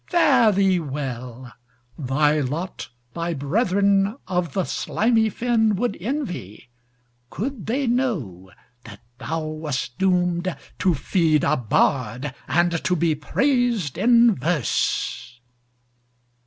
Fare thee well! Thy lot thy brethern of the slimy fin Would envy, could they know that thou wast doom'd To feed a bard, and to be prais'd in verse.